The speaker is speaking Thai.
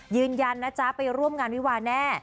ยืนยันนะจ๊ะไปร่วมงานวิวาแน่